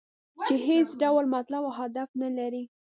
چې هېڅ ډول مطلب او هدف نه لري.